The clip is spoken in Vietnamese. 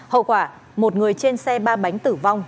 hậu quả một người trên xe ba bánh tử vong